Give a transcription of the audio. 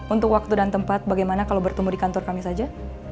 untuk waktu dan tempat bagaimana kalau bertemu di kantor kami saja